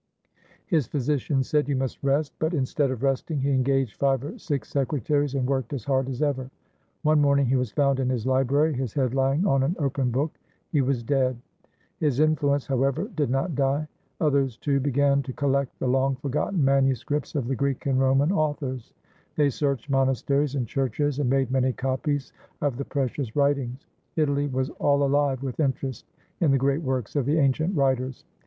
His physicians said, "You must rest"; but, 35 ITALY instead of resting, he engaged five or six secretaries and worked as hard as ever. One morning he was found in his library, his head lying on an open book. He was dead. His influence, however, did not die. Others, too, began to collect the long forgotten manuscripts of the Greek and Roman authors. They searched monasteries and churches and made many copies of the precious writings. Italy was all alive with interest in the great works of the ancient writers.